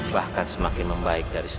bahkan semakin membaikkan saya